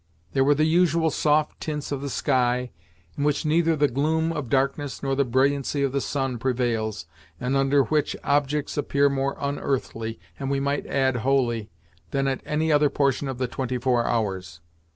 There were the usual soft tints of the sky, in which neither the gloom of darkness nor the brilliancy of the sun prevails, and under which objects appear more unearthly, and we might add holy, than at any other portion of the twenty four hours.